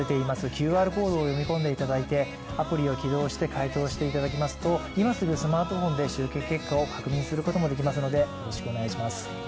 ＱＲコードを読み込んでいただいてアプリを起動して回答していただきますと、今すぐスマートフォンで集計結果を確認することもできますのでよろしくお願いします。